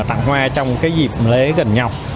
tặng hoa trong dịp lễ gần nhau